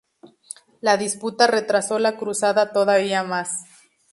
La disputa retrasó la cruzada todavía más.